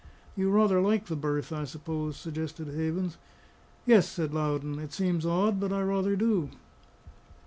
"You rather like the berth, I suppose?" suggested Havens. "Yes," said Loudon; "it seems odd, but I rather do."